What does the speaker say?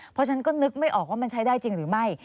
เพราะฉะนั้นก็นึกไม่ออกว่ามันใช้ได้จริงหรือไม่